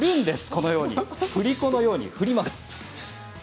このように振り子のように振ります。